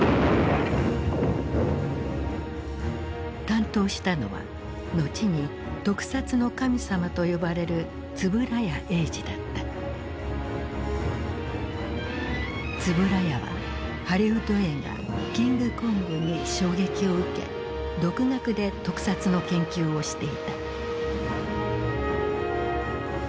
担当したのは後に「特撮の神様」と呼ばれる円谷はハリウッド映画「キングコング」に衝撃を受け独学で特撮の研究をしていた。